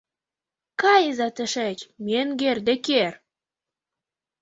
— Кайыза тышеч, менгер Деккер!